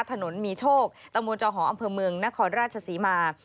ถนนมีโชคตะมนต์จอหออำเภอเมืองนครราชศรีมา